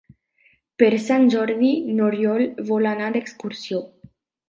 Per Sant Jordi n'Oriol vol anar d'excursió.